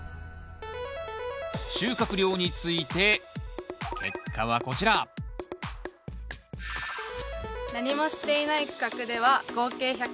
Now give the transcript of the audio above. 収穫量について結果はこちら何もしていない区画では合計１０７ｇ。